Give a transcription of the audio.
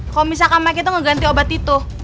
kalau misalkan make itu ngeganti obat itu